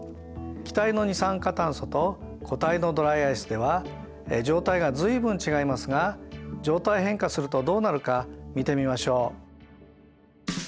気体の二酸化炭素と固体のドライアイスでは状態が随分違いますが状態変化するとどうなるか見てみましょう。